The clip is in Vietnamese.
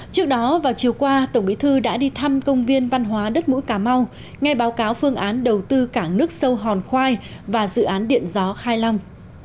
trước đó vào chiều qua tổng bí thư đã đi thăm công viên văn hóa đất mũi cà mau nghe báo cáo phương án đầu tư cảng nước sâu hòn khoai và dự án điện gió khai long